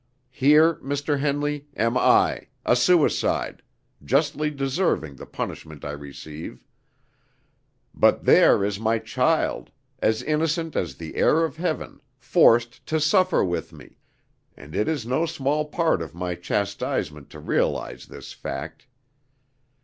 Here, Mr. Henley, am I, a suicide, justly deserving the punishment I receive; but there is my child, as innocent as the air of heaven, forced to suffer with me, and it is no small part of my chastisement to realize this fact.